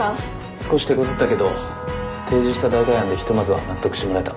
少してこずったけど提示した代替案でひとまずは納得してもらえた。